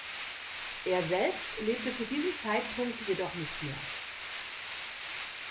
Er selbst lebte zu diesem Zeitpunkt jedoch nicht mehr.